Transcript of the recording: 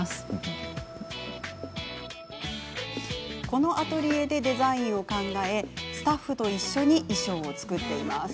このアトリエでデザインを考えスタッフと一緒に衣装を作っています。